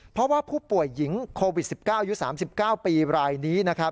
เพราะว่าผู้ป่วยหญิงโควิด๑๙ยุค๓๙ปีรายนี้